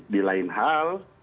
di lain hal